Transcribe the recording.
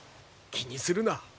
気にするな。